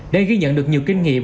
đã ghi nhận được nhiều kinh nghiệm